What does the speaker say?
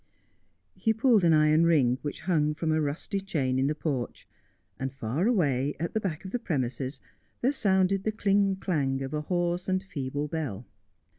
He pulled an iron ring which hung from a rusty chain in the porch, and far away at the back of the premises there sounded the cling clang of a hoarse and feeble bell.